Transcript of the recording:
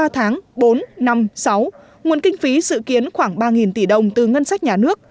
ba tháng bốn năm sáu nguồn kinh phí dự kiến khoảng ba tỷ đồng từ ngân sách nhà nước